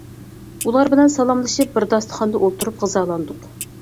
ئۇلار بىلەن سالاملىشىپ بىر داستىخاندا ئولتۇرۇپ غىزالاندۇق.